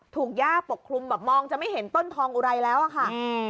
ย่าปกคลุมแบบมองจะไม่เห็นต้นทองอุไรแล้วอะค่ะ